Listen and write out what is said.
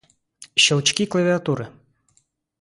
Щелчки клавиатуры